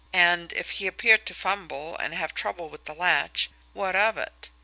And, if he appeared to fumble and have trouble with the latch, what of it!